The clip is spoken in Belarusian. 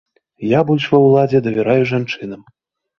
Я больш ва ўладзе давяраю жанчынам.